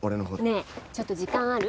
ねえちょっと時間ある？